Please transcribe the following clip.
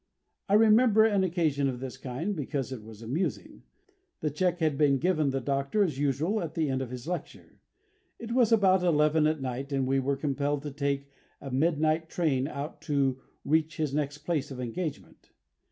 I remember an occasion of this kind, because it was amusing. The cheque had been given the Doctor as usual at the end of his lecture. It was about eleven at night, and we were compelled to take a midnight train out to reach his next place of engagement.